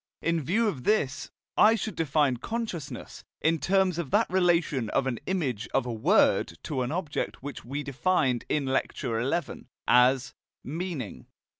In view of this, I should define "consciousness" in terms of that relation of an image of a word to an object which we defined, in Lecture XI, as "meaning."